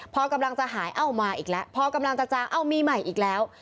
พอกำลังจะหายเอ้ามาอีกแล้วพอกำลังจะจางเอ้ามีใหม่อีกแล้ว